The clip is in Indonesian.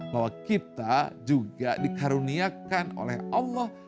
bahwa kita juga dikaruniakan oleh allah